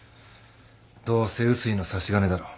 どうせ碓井の差し金だろ？